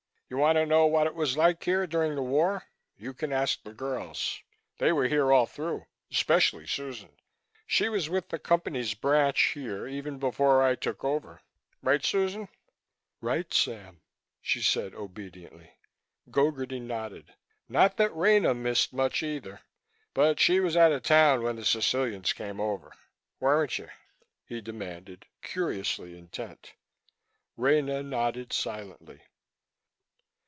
"You want to know what it was like here during the war? You can ask the girls. They were here all through. Especially Susan she was with the Company's branch here, even before I took over. Right, Susan?" "Right, Sam," she said obediently. Gogarty nodded. "Not that Rena missed much either, but she was out of town when the Sicilians came over. Weren't you?" he demanded, curiously intent. Rena nodded silently.